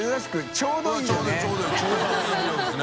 ちょうどいい量ですね。